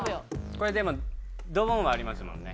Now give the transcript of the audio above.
これでもドボンありますもんね。